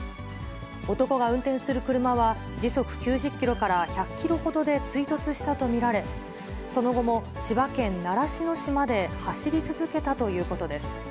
男が運転する車は時速９０キロから１００キロほどで追突したと見られ、その後も千葉県習志野市まで走り続けたということです。